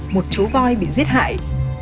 một chú voi bị giết hại